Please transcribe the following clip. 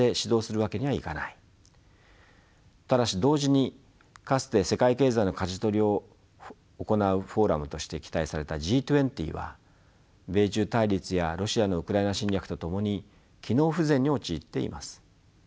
ただし同時にかつて世界経済のかじ取りを行うフォーラムとして期待されたＧ２０は米中対立やロシアのウクライナ侵略とともに機能不全に陥っています。